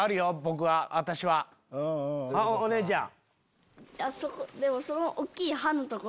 あっお姉ちゃん。